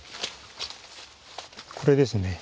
これですね。